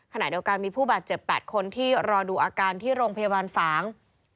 ขณะเดียวกันมีผู้บาดเจ็บ๘คนที่รอดูอาการที่โรงพยาบาลฝาง